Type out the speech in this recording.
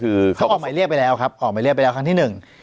คือเขาออกหมายเรียกไปแล้วครับออกหมายเรียกไปแล้วครั้งที่หนึ่ง